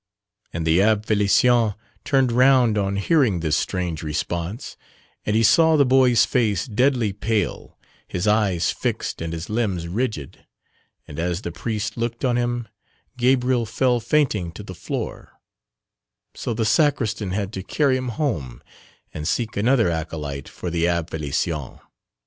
And the Abbé Félicienturned round on hearing this strange response, and he saw the boy's face deadly pale, his eyes fixed and his limbs rigid, and as the priest looked on him Gabriel fell fainting to the floor, so the sacristan had to carry him home and seek another acolyte for the Abbé Félicien.